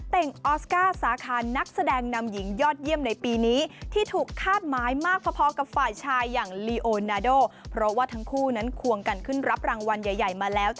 โปรดติดตามตอนต่อไป